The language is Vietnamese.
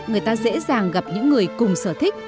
người ta dễ dàng gặp những người cùng sở thích